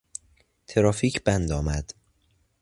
ترافیک بند آمد.